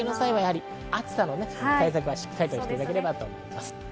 明日の対策をしっかりしていただければと思います。